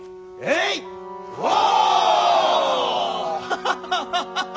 ハハハハハハ！